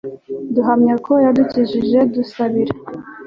duhamya ko yadukijije dusabira